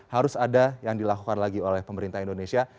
harus ada yang dilakukan lagi oleh pemerintah indonesia